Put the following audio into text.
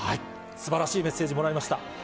すばらしいメッセージもらいました。